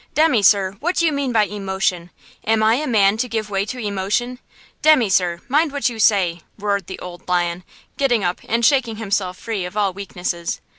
Demmy, sir, what do you mean by emotion? Am I a man to give way to emotion? Demmy, sir, mind what you say!" roared the old lion, getting up and shaking himself free of all weaknesses.